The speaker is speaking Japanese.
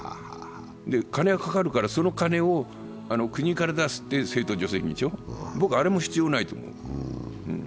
金がかかるから、その金を国から出すのが政党助成金でしょう、僕はあれも必要ないと思う。